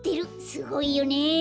すごいよね。